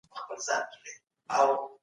ځوان نسل د زړو فکري ابهامونو څخه وځي.